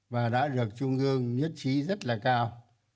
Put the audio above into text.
và đã được trung ương nhất trí rất là cao